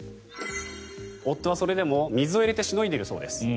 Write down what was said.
夫はそれでも水を入れてしのいでいるそうです。